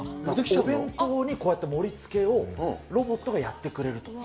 お弁当にこうやって盛りつけをロボットがやってくれると。